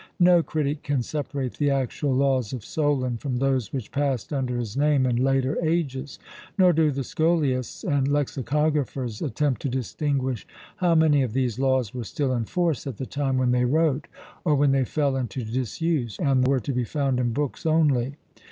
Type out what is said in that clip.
No critic can separate the actual laws of Solon from those which passed under his name in later ages. Nor do the Scholiasts and Lexicographers attempt to distinguish how many of these laws were still in force at the time when they wrote, or when they fell into disuse and were to be found in books only.